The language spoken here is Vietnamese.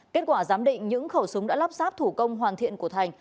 kết quả giám định những khẩu súng đã lắp sáp thủ công hoàn thiện của thành